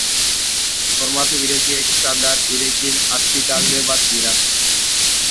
Formatu irekiak estandar irekien azpi-talde bat dira.